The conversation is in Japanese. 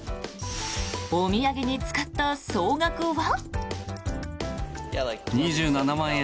お土産に使った総額は。